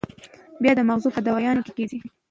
بيا د مزغو پۀ دوايانو کېدے شي